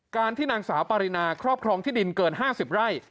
ที่นางสาวปารินาครอบครองที่ดินเกิน๕๐ไร่